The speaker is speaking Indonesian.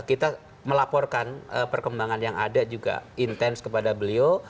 kita melaporkan perkembangan yang ada juga intens kepada beliau